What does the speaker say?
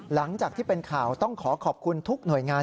หลังจากที่เป็นข่าวต้องขอขอบคุณทุกหน่วยงาน